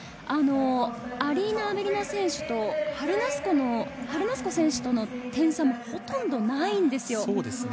アリーナ・アベリナ選手とハルナスコ選手との点差もほとんどないんですよ。